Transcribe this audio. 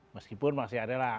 meskipun masih adalah